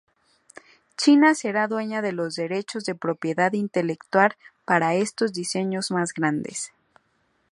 China será dueña de los derechos de propiedad intelectual para estos diseños más grandes.